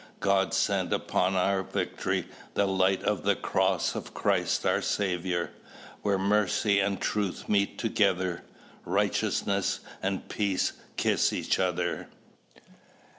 God send upon our victory the light of the cross of Christ our Saviour, where mercy and truth meet together, righteousness and peace kiss each other.